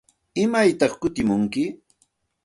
¿Imaytaq kutimunki?